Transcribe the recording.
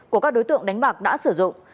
của các đối tượng đánh bạc đã sử dụng